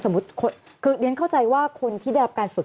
คือเรียนเข้าใจว่าคนที่ได้รับการฝึก